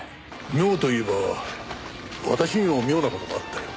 妙といえば私にも妙な事があったよ。